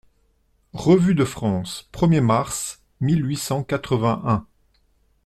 REVUE DE FRANCE, premier mars mille huit cent quatre-vingt-un.